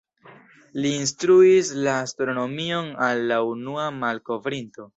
Li instruis la astronomion al la unua malkovrinto.